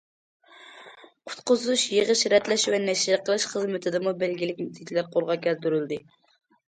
قۇتقۇزۇش، يىغىش، رەتلەش ۋە نەشر قىلىش خىزمىتىدىمۇ بەلگىلىك نەتىجىلەر قولغا كەلتۈرۈلدى.